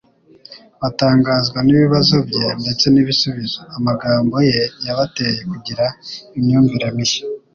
batangazwa n'ibibazo bye ndetse n'ibisubizo. Amagambo ye yabateye kugira imyumvire mishya